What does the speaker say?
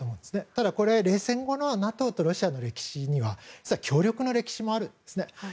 ただ、これは冷戦後のＮＡＴＯとロシアの歴史には実は協力の歴史もあるんです。